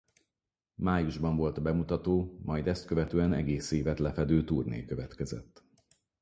Májusban volt a bemutató majd ezt követően egész évet lefedő turné következett.